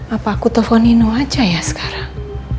apa aku telepon nino aja ya sekarang